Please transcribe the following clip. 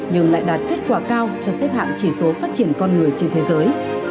nhưng lại đạt kết quả cao cho xếp hạng chỉ số phát triển con người trên thế giới